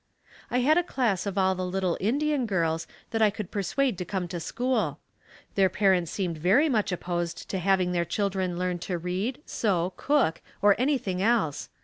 I had a class of all the little Indian girls that I could persuade to come to school. Their parents seemed very much opposed to having their children learn to read, sew, cook or anything else.